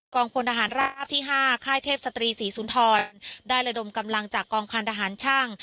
กองพลต่างราฟที่ห้าค่ายเทพศตรีศรีสุนธรได้ระดมกำลังจากกองคันด่าหารช่าง